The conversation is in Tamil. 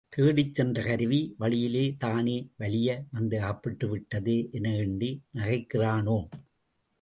தேடிச்சென்ற கருவி வழியிலேயே தானே வலிய வந்து அகப்பட்டுவிட்டதே என எண்ணி நகைக்கிறானோ?